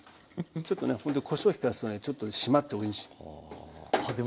ちょっとねこしょう利かすとねちょっと締まっておいしいです。